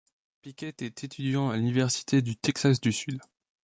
Pickett est étudiant à l'université du Texas du Sud.